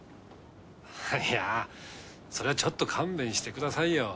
いやそれはちょっと勘弁してくださいよ。